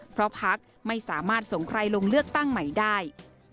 เพราะพักไม่สามารถส่งใครลงเลือกตั้งใหม่ได้